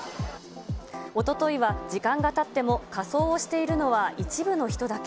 おとといは時間がたっても仮装をしているのは一部の人だけ。